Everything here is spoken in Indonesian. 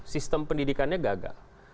sistem pendidikannya gagal